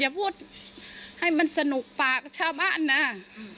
อย่าพูดให้มันสนุกฝากชาวบ้านน่ะอืมอ่า